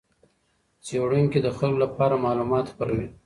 څېړونکي د خلکو لپاره معلومات خپروي.